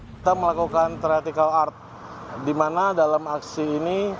kita melakukan tratical art di mana dalam aksi ini